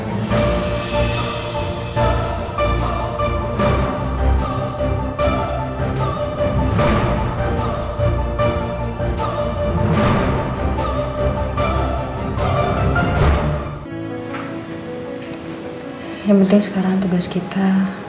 yang penting sekarang tugas kita